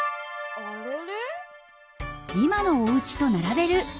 あれれ？